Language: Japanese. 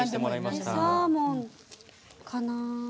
サーモンかな。